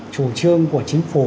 chủ trương của chính phủ